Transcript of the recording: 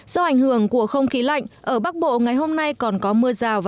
do ảnh hưởng của không khí lạnh ở bắc bộ ngày hôm nay còn có một số nơi ở phía tây bắc bộ